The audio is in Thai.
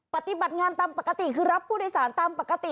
ปฏิบัติงานตามปกติคือรับผู้โดยสารตามปกติ